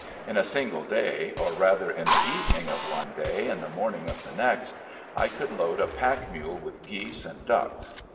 In a single day, or rather in the evening of one day and the morning of the next, I could load a pack mule with geese and ducks.